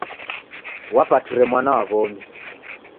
Wapatire mwana wa w'omi.